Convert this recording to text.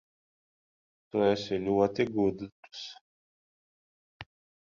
Tu esi ļoti gudrs.